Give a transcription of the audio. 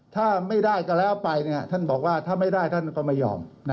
ถ้าไม่ได้ก็แล้วไปท่านบอกว่าถ้าไม่ได้ท่านก็ไม่ยอม